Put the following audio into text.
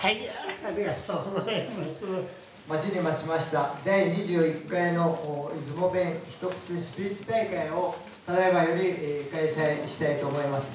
待ちに待ちました第２１回の出雲弁一口スピーチ大会をただいまより開催したいと思います。